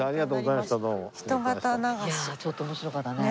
いやちょっと面白かったね。